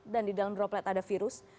dan di dalam droplet ada virus